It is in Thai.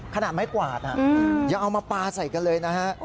ขนาดไม้กวาดยังเอามาปลาใส่กันเลยนะฮะ